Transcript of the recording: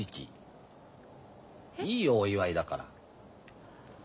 いいよお祝いだから。